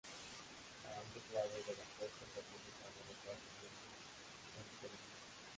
A ambos lados de la puerta se han conservado las basas de unas semicolumnas.